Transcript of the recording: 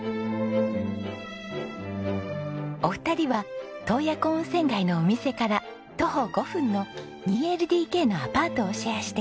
お二人は洞爺湖温泉街のお店から徒歩５分の２ＬＤＫのアパートをシェアしています。